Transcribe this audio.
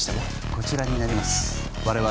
こちらになります我々